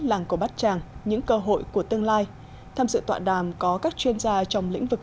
làng cổ bát tràng những cơ hội của tương lai tham dự tọa đàm có các chuyên gia trong lĩnh vực